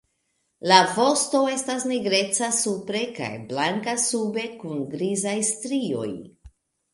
La vosto estas nigreca supre kaj blanka sube kun grizaj strioj.